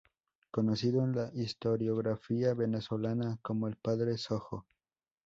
Conocido en la historiografía venezolana como el "Padre Sojo".